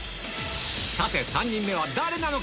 さて３人目は誰なのか？